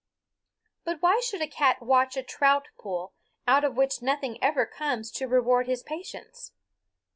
But why should a cat watch at a trout pool, out of which nothing ever comes to reward his patience?